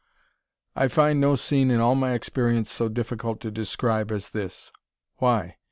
I find no scene in all my experience so difficult to describe as this. Why?